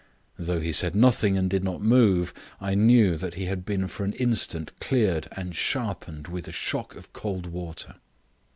Though he said nothing and did not move, I knew that he had been for an instant cleared and sharpened with a shock of cold water.